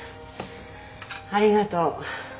ありがとう。